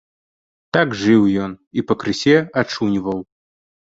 Так жыў ён і пакрысе ачуньваў.